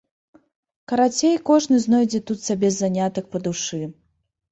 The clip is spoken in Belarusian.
Карацей, кожны знойдзе тут сабе занятак па душы.